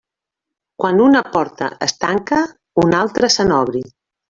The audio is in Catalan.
Quan una porta es tanca, una altra se n'obri.